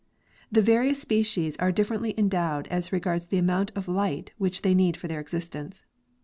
; The various species are differently endowed as regards the amount of light which they need for their existence.